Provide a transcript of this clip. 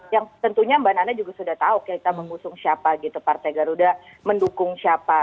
yang tentunya mbak nana juga sudah tahu kita mengusung siapa gitu partai garuda mendukung siapa